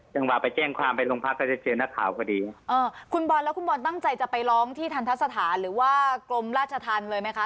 จังหวะไปแจ้งความไปโรงพักก็จะเจอนักข่าวพอดีอ่าคุณบอลแล้วคุณบอลตั้งใจจะไปร้องที่ทันทะสถานหรือว่ากรมราชธรรมเลยไหมคะ